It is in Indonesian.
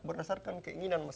berdasarkan keinginan mereka